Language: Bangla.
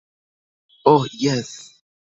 ওহ, ইয়েস।